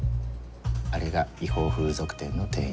あれが違法風俗店の店員